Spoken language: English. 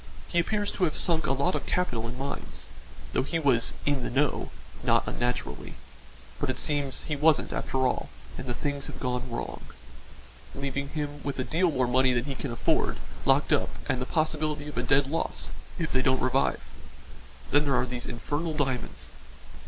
He appears to have sunk a lot of capital in mines thought he was 'in the know,' not unnaturally; but it seems he wasn't after all, and the things have gone wrong, leaving him with a deal more money than he can afford locked up and the possibility of a dead loss if they don't revive. Then there are these infernal diamonds.